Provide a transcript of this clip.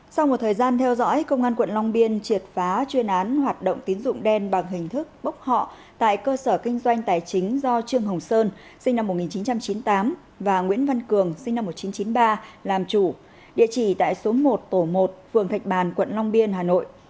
sau một thời gian theo dõi công an quận long biên triệt phá chuyên án hoạt động tín dụng đen bằng hình thức bốc họ tại cơ sở kinh doanh tài chính do trương hồng sơn sinh năm một nghìn chín trăm chín mươi tám và nguyễn văn cường sinh năm một nghìn chín trăm chín mươi ba làm chủ địa chỉ tại số một tổ một phường thạch bàn quận long biên hà nội